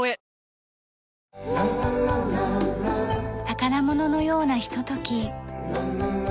宝物のようなひととき。